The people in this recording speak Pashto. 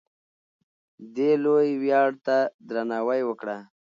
دې لوی ویاړ ته درناوی وکړه.